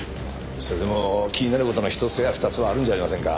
それでも気になる事の１つや２つはあるんじゃありませんか？